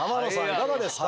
いかがですか？